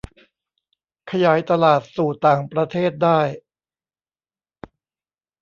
ขยายตลาดสู่ต่างประเทศได้